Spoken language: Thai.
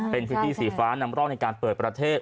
เป็นพื้นที่สีฟ้านำร่องในการเปิดประเทศ